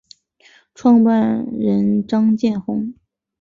创办人张建宏。